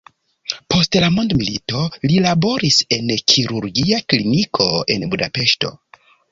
Post la mondomilito li laboris en kirurgia kliniko en Budapeŝto.